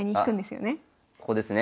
ここですね。